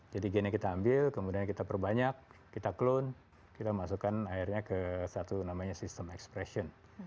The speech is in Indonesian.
jadi gennya kita ambil kemudian kita perbanyak kita klon kita masukkan airnya ke satu sistem expression